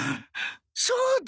そうだ！